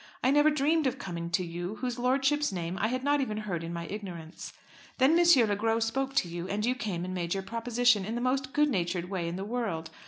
I never dreamed of coming to you, whose lordship's name I had not even heard in my ignorance. Then M. Le Gros spoke to you, and you came and made your proposition in the most good natured way in the world.